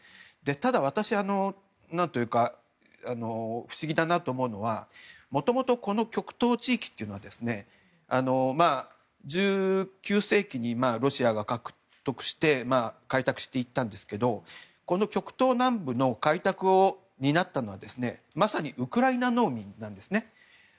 ただ、私は不思議だなと思うのはもともとこの極東地域というのは１９世紀にロシアが獲得して開拓していったんですけどこの極東南部の開拓を担ったのはまさにウクライナ農民なんです。